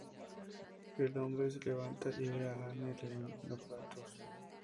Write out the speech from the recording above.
El hombre se levanta y ve a Anne lavando platos.